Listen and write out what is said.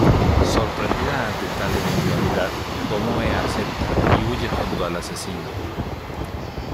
Sorprendida ante tal eventualidad, Tomoe acepta y huye junto al asesino.